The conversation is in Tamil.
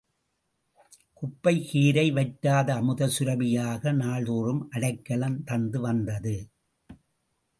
குப்பைக் கீரை வற்றாத அமுத சுரபி யாக நாள்தோறும் அடைக்கலம் தந்து வந்தது.